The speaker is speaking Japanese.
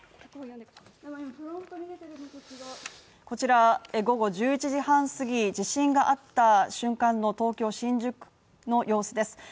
こちら午後１１時半すぎ、地震があった瞬間の東京・新宿の様子です